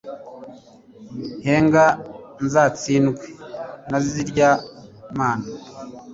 henga azatsindwe na zirya mana